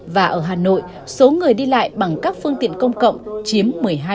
và ở hà nội số người đi lại bằng các phương tiện công cộng chiếm một mươi hai